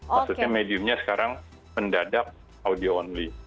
maksudnya mediumnya sekarang mendadak audio only